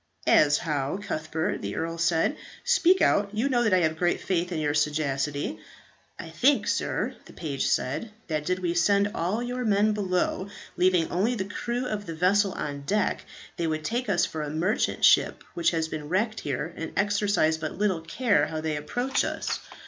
"As how, Cuthbert?" the earl said. "Speak out; you know that I have great faith in your sagacity." "I think, sir," the page said, "that did we send all your men below, leaving only the crew of the vessel on deck, they would take us for a merchant ship which has been wrecked here, and exercise but little care how they approach us.